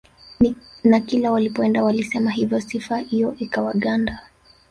Na kila walipoenda waliwasema hivyo sifa hiyo ikawaganda